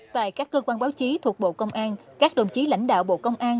tại các cơ quan báo chí thuộc bộ công an các đồng chí lãnh đạo bộ công an